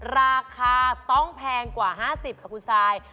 ราคาต้องแพงกว่า๕๐ค่ะคุณซาย